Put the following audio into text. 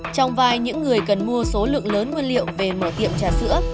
trong vai những người cần mua số lượng lớn nguyên liệu về mở tiệm trà sữa